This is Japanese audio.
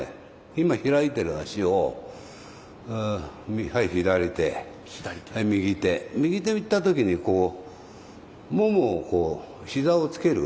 今開いてる足をはい左手はい右手右手いった時にこうももをこう膝をつける。